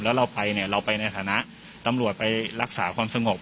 แล้วเราไปเนี่ยเราไปในฐานะตำรวจไปรักษาความสงบ